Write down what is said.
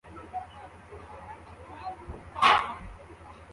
Inshuti ebyiri kuruhande rwumuryango ufunze urugi guhobera